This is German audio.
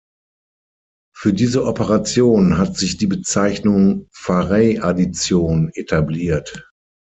Für diese Operation hat sich die Bezeichnung "Farey-Addition" etabliert.